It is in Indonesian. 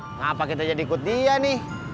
kenapa kita jadi ikut dia nih